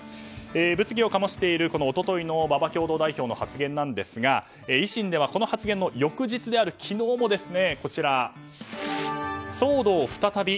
物議を醸している一昨日の馬場共同代表の発言ですが維新では、この発言の翌日である昨日も騒動再び？